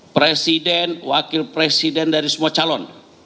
presiden wakil presiden dari semua calon